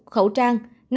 bốn khẩu trang